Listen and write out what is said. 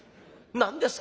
「何ですか？